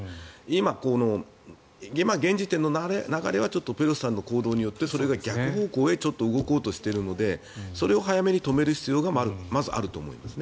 今現時点の流れはペロシさんの行動によってそれが逆方向へ動こうとしているのでそれを早めに止める必要がまずあると思います。